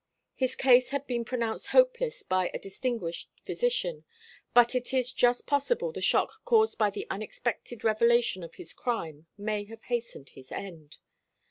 His case had been pronounced hopeless by a distinguished physician; but it is just possible the shock caused by the unexpected revelation of his crime may have hastened his end.